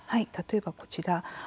例えば、こちら。